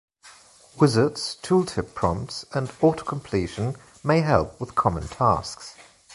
Wizards, tooltip prompts and autocompletion may help with common tasks.